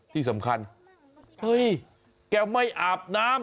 ที่สำคัญเฮ้ยแกไม่อาบน้ำ